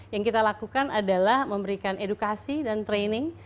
yang kita lakukan adalah memberikan edukasi dan training